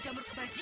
sampai jumpa lagi